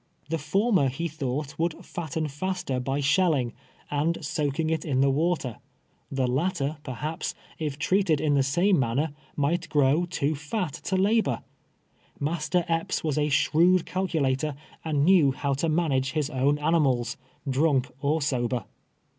The former, he thought, would fatten faster by shelling, and soaking it in the water — the latter, perhaps, if treated in the same manner, might grow too fat to labor. Master Epps was a shrewd cal culator, and knew how to manage his own animals, drank or sober.